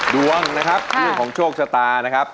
ดวงนะครับเรื่องของโชคชะตานะครับ